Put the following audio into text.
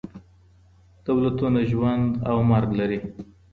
دولتونه ژوند او مرګ لري.